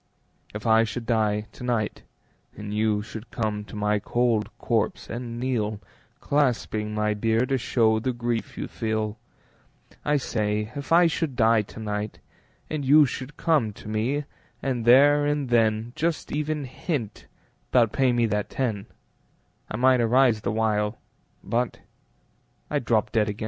If I should die to night And you should come to my cold corpse and kneel, Clasping my bier to show the grief you feel, I say, if I should die to night And you should come to me, and there and then Just even hint 'bout payin' me that ten, I might arise the while, But I'd drop dead again.